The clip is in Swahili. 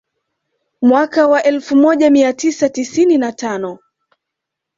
Mwaka wa elfu moja mia tisa tisini na tano